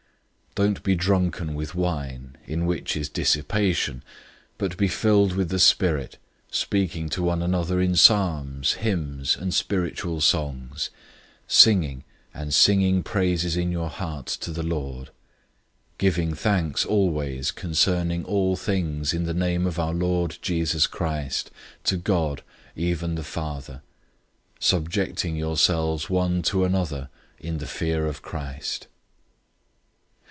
005:018 Don't be drunken with wine, in which is dissipation, but be filled with the Spirit, 005:019 speaking to one another in psalms, hymns, and spiritual songs; singing, and singing praises in your heart to the Lord; 005:020 giving thanks always concerning all things in the name of our Lord Jesus Christ, to God, even the Father; 005:021 subjecting yourselves one to another in the fear of Christ.